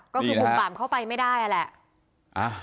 ก็คือบุกป่ามเข้าไปไม่ได้แหละ